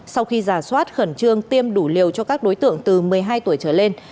sau khi giả soát khẩn trương tiêm đủ liều cho các đối tượng từ một mươi hai tuổi trở lên